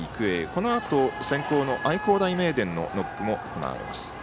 このあと、先攻の愛工大名電のノックも行われます。